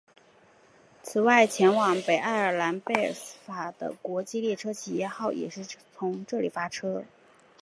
此外前往北爱尔兰贝尔法斯特的国际列车企业号也是自这里发车。